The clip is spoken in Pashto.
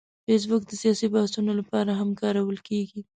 فېسبوک د سیاسي بحثونو لپاره هم کارول کېږي